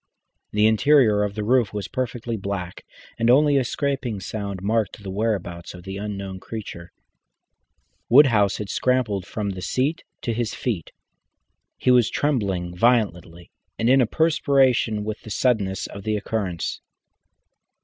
The interior of the roof was perfectly black, and only a scraping sound marked the whereabouts of the unknown creature. Woodhouse had scrambled from the seat to his feet. He was trembling violently and in a perspiration with the suddenness of the occurrence.